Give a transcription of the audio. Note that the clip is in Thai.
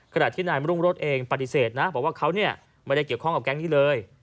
ขณะที่นายมรุ่งรถเองปฏิเสธนะบอกว่าเขาไม่ได้เกี่ยวข้องกับแก๊งนี้เลย